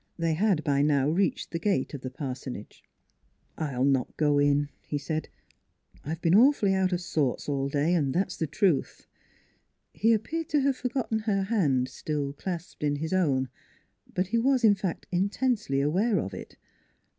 They had by now reached the gate of the parsonage. " I'll not go in," he said. " I've been awfully out of sorts all day and that's the truth." He appeared to have forgotten her hand, still clasped in his own; but he was in fact intensely aware of it.